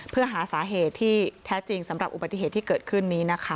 เพื่อหาสาเหตุที่แท้จริงสำหรับอุบัติเหตุที่เกิดขึ้นนี้นะคะ